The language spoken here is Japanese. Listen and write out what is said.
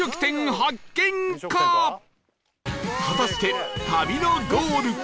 果たして旅のゴール